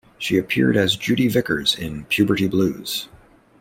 She appeared as Judy Vickers in "Puberty Blues".